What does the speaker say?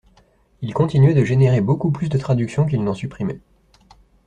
il continuait de générer beaucoup plus de traductions qu’il n’en supprimait.